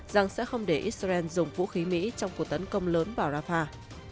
rằng sẽ không để israel dùng vũ khí mỹ trong cuộc tấn công lớn vào rafah